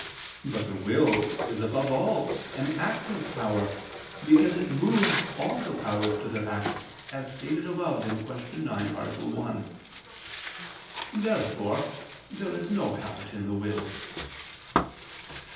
But the will is above all an active power, because it moves all the powers to their acts, as stated above (Q. 9, A. 1). Therefore there is no habit in the will.